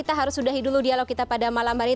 kita harus sudahi dulu dialog kita pada malam hari ini